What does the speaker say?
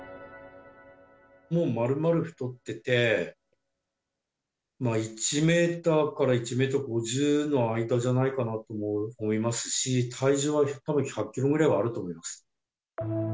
もう丸々太ってて、１メーターから１メーター５０の間じゃないかなと思いますし、体重はたぶん１００キロぐらいはあると思います。